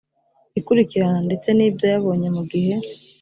ikurikirana ndetse n ibyo yabonye mu gihe